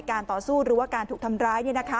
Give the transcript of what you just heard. ต่อสู้หรือว่าการถูกทำร้าย